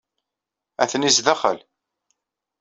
Atni sdaxel.